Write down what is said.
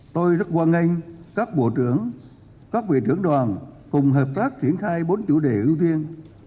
tôi rất hoan nghênh các bộ trưởng các vị trưởng đoàn cùng hợp tác triển khai bốn chủ đề ưu tiên